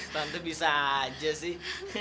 tentu bisa aja sih